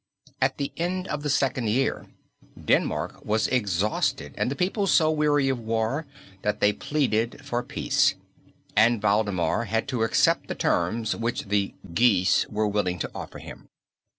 At the end of the second year Denmark was exhausted and the people so weary of war that they pleaded for peace, and Valdemar had to accept the terms which the "geese" were willing to offer him.